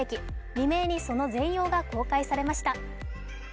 未明にその全容が公開されました。